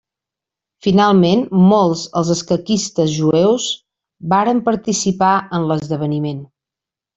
Finalment, molts els escaquistes jueus varen participar en l'esdeveniment.